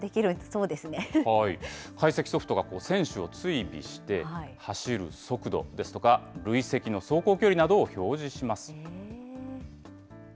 解析ソフトが選手を追尾して、走る速度ですとか、累積の走行距離などを表示します。